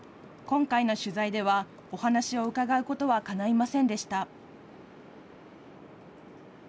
今回の取材では、お話を伺うことはかないませんでした。